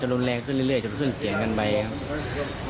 รุนแรงขึ้นเรื่อยจะไปขึ้นเสียงกันไปครับ